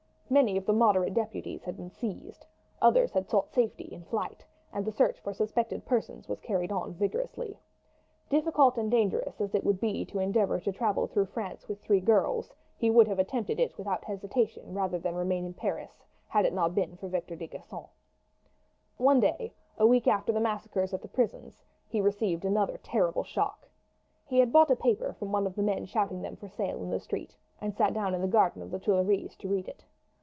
Many of the moderate deputies had been seized, others had sought safety in flight, and the search for suspected persons was carried on vigorously. Difficult and dangerous as it would be to endeavour to travel through France with three girls, he would have attempted it without hesitation rather than remain in Paris had it not been for Victor de Gisons. One day a week after the massacres at the prisons he received another terrible shock. He had bought a paper from one of the men shouting them for sale in the street, and sat down in the garden of the Tuileries to read it.